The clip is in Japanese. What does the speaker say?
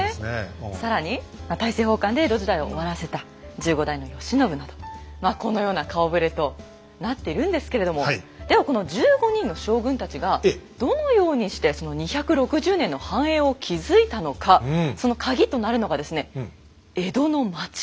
更に大政奉還で江戸時代を終わらせた１５代の慶喜などこのような顔ぶれとなっているんですけれどもではこの１５人の将軍たちがどのようにしてその２６０年の繁栄を築いたのかそのカギとなるのがですね江戸の町なんです。